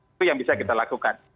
itu yang bisa kita lakukan